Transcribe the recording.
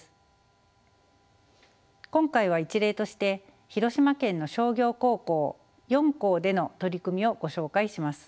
今回は一例として広島県の商業高校４校での取り組みをご紹介します。